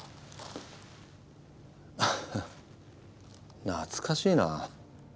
ハハ懐かしいな。